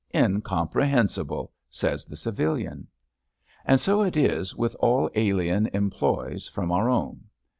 Incomprehensible! " says the civilian. And so it is with all alien employs from our own.